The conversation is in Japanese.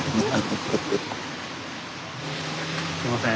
すいません。